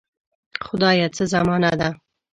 خدایه څه زمانه ده.